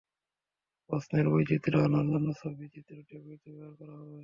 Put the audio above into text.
প্রশ্নের বৈচিত্র্য আনার জন্য ছবি, চিত্র, টেবিল ইত্যাদি ব্যবহার করা হবে।